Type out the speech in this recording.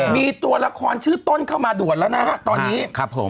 มีตัวละครชื่อต้นเข้ามาดวนแล้วนะครับตอนนี้